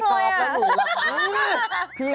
พี่ก๊อฟได้ดูเรื่อย